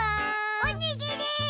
おにぎり！